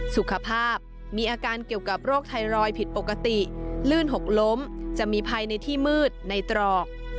สุขภาพมีอาการเกี่ยวกับโรคไทรอยด์ผิดปกติลื่นหกล้มจะมีภัยในที่มืดในตรอก